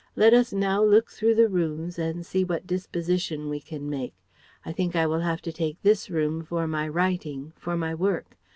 Let us now look through the rooms and see what disposition we can make. I think I will have to take this room for my writing, for my work.